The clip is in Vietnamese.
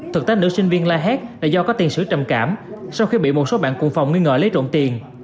thực tế nữ sinh viên la hét là do có tiền sử trầm cảm sau khi bị một số bạn cùng phòng nghi ngờ lấy trộn tiền